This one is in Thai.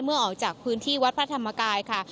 ออกจากพื้นที่วัดพระธรรมกายค่ะ